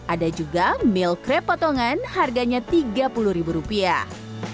ada juga meal crab potongan harganya tiga puluh ribu rupiah